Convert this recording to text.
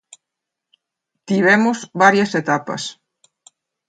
Tivemos varias etapas.